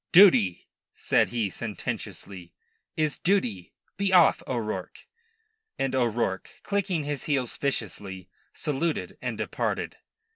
"Duty," said he sententiously, "is duty. Be off, O'Rourke." And O'Rourke, clicking his heels viciously, saluted and departed.